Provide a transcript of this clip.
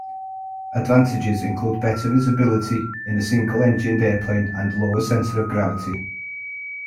Advantages include better visibility in a single-engined airplane, and lower centre of gravity.